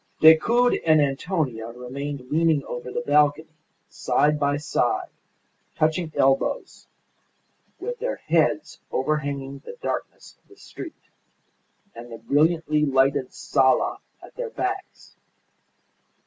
Decoud and Antonia remained leaning over the balcony, side by side, touching elbows, with their heads overhanging the darkness of the street, and the brilliantly lighted sala at their backs.